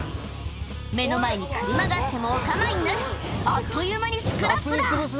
目の前に車があってもお構いなし、あっという間にスクラップだ。